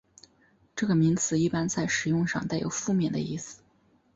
这个名词一般在使用上带有负面的意思。